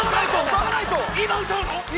今歌うの？